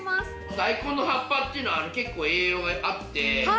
大根の葉っぱっていうのは、結構栄養があって。